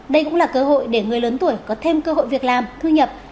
đây cũng là cơ hội để người lớn tuổi có thêm cơ hội việc làm thu nhập